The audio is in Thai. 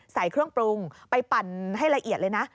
ใส่เครื่องปรุงไปปั่นให้ละเอียดเลยนะ